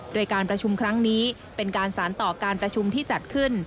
โดยการประชุมครั้งนี้เป็นการสารต่อการประชุมที่จัดขึ้น